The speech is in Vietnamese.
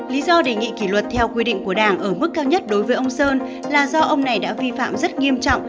lý do đề nghị kỷ luật theo quy định của đảng ở mức cao nhất đối với ông sơn là do ông này đã vi phạm rất nghiêm trọng